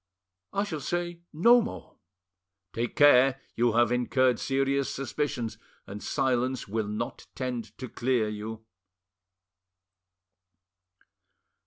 "I shall say no more." "Take care! you have incurred serious suspicions, and silence will not tend to clear you."